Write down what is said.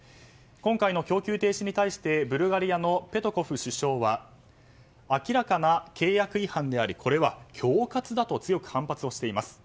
今回の供給停止に対してブルガリアのペトコフ首相は明らかな契約違反でありこれは恐喝だと強く反発しています。